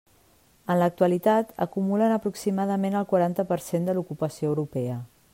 En l'actualitat acumulen aproximadament el quaranta per cent de l'ocupació europea.